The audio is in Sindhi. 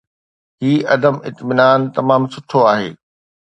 هي عدم اطمينان تمام سٺو آهي.